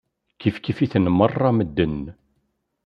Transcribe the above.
Kifkif-iten meṛṛa medden.